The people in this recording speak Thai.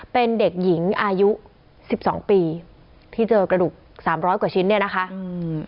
เป็นเด็กหญิงอายุสิบสองปีที่เจอกระดูกสามร้อยกว่าชิ้นเนี่ยนะคะอืม